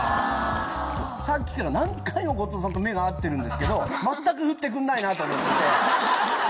さっきから何回も後藤さんと目が合ってるんですけど全くふってくんないなと思って。